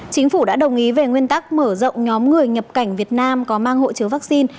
chính phủ đã đồng ý về nguyên tắc mở rộng nhóm người nhập cảnh việt nam có mang hộ chiếu vaccine